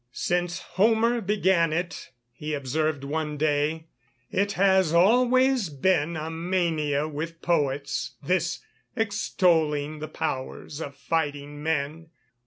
"Since Homer began it," he observed one day, "it has always been a mania with poets, this extolling the powers of fighting men.